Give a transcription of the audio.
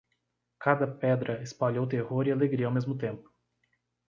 Cada pedra espalhou terror e alegria ao mesmo tempo.